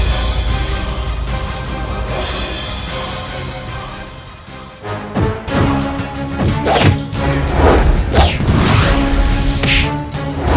aku harus meng capitale